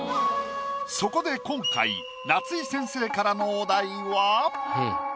そこで今回夏井先生からのお題は。